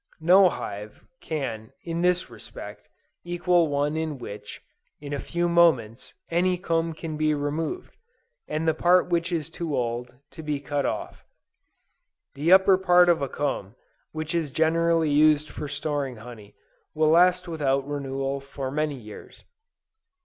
No hive can, in this respect, equal one in which, in a few moments, any comb can be removed, and the part which is too old, be cut off. The upper part of a comb, which is generally used for storing honey, will last without renewal for many years.